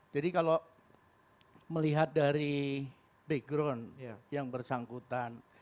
jadi kalau melihat dari background yang bersangkutan